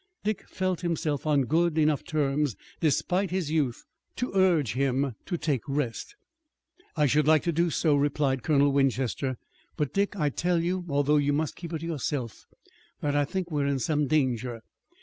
Dick felt himself on good enough terms, despite his youth, to urge him to take rest. "I should like to do so," replied Colonel Winchester, "but Dick I tell you, although you must keep it to yourself, that I think we are in some danger.